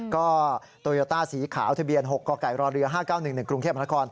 ก็โตโยต้าสีขาวทะเบียน๖กกรเรือ๕๙๑๑กรุงเทพมนาคม